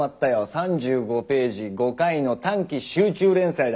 ３５ページ５回の短期集中連載だ。